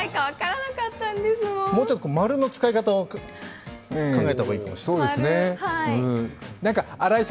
もうちょっと、マルの使い方を考えた方がいいかもしれない。